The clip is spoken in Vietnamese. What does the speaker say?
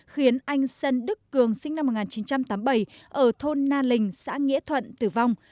khiến anh sơn đức cường sinh năm một nghìn chín trăm tám mươi bảy ở thôn na lình xã nghĩa thuận tử vong